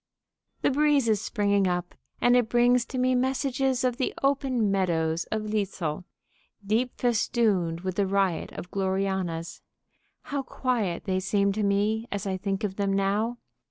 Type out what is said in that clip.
"_ The breeze is springing up, and it brings to me messages of the open meadows of Litzel, deep festooned with the riot of gloriannas. How quiet they seem to me as I think of them now!